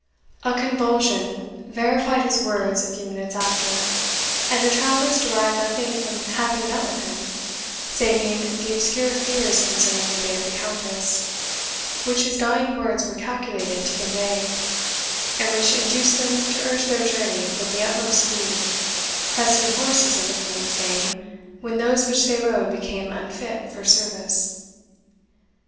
A convulsion verified his words a few minutes after, and the travellers derived nothing from having met with him, saving the obscure fears concerning the fate of the Countess, which his dying words were calculated to convey, and which induced them to urge their journey with the utmost speed, pressing horses in the Queen's name when those which they rode became unfit for service.